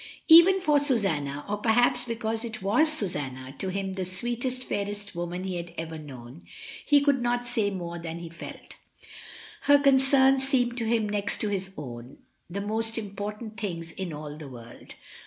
Even for Susanna, or perhaps because it was Susanna (to him the sweetest, fairest woman he had ever known), he could not say more than he felt 7' lOO MRS. DYMOND. Her concerns seemed to him next to his own the most important things in all the world.